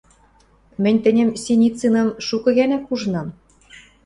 – Мӹнь тӹньӹм, Синициным, шукы гӓнӓк ужынам...